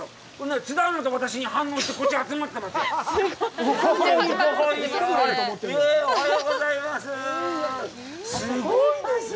津田アナと私に反応してこっちに集まってますよ。